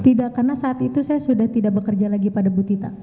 tidak karena saat itu saya sudah tidak bekerja lagi pada bu tita